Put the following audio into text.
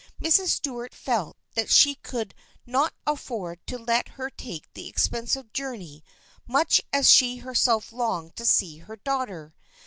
Mrs. Stuart felt that she could not afford to let her take the expensive journey, much as she herself longed to see her daughter.